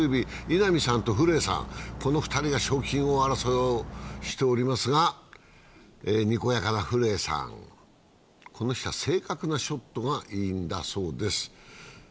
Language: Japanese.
稲見さんと古江さん、この２人が賞金争いをしておりますが、にこやかな古江さん、この人は正確なショットがいいんだそうです。